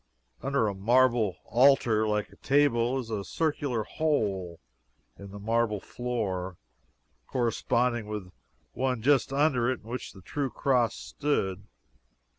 Under a marble altar like a table, is a circular hole in the marble floor, corresponding with the one just under it in which the true Cross stood.